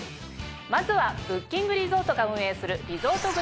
まずはブッキングリゾートが運営する。